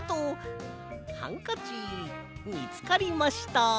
ハンカチみつかりました。